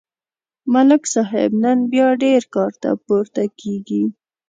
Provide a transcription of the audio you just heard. ملک صاحب نن بیا ډېر کارته پورته کېږي.